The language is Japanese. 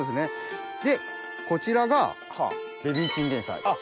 でこちらがベビーチンゲン菜。